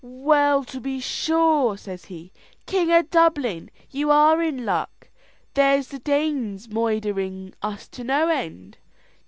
"Well, to be sure!" says he, "King of Dublin, you are in luck. There's the Danes moidhering us to no end.